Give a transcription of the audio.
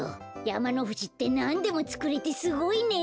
やまのふじってなんでもつくれてすごいね。